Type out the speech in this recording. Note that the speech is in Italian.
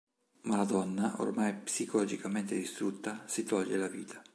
Ma la donna, ormai psicologicamente distrutta, si toglie la vita.